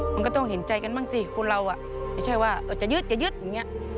คงก็ต้องเห็นใจกันบ้างคุณเราไม่ใช่ว่าจะยืดอย่ายืด